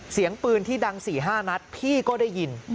เสียงปืนที่ดัง๔๕นัดพี่ก็ได้ยิน